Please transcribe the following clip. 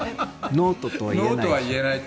ノーとは言えないって。